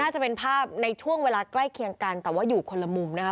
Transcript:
จะเป็นภาพในช่วงเวลาใกล้เคียงกันแต่ว่าอยู่คนละมุมนะคะ